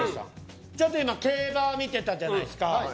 ちょっと今競馬見てたじゃないですか。